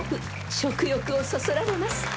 ［食欲をそそられます］